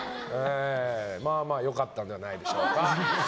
まあまあ良かったんじゃないでしょうか。